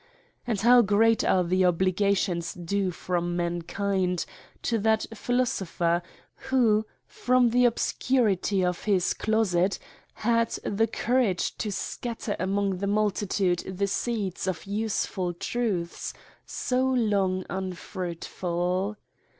And how great are the obligations due from mankind to th^t philoso pher, who, from the obscurity of his closet, had the courage to scatter among the multitude the seeds of useful truths, so long unfruitful